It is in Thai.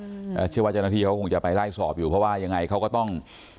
เชื่อว่าเจ้าหน้าที่เขาคงจะไปไล่สอบอยู่เพราะว่ายังไงเขาก็ต้อง